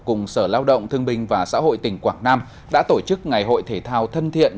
cùng sở lao động thương binh và xã hội tỉnh quảng nam đã tổ chức ngày hội thể thao thân thiện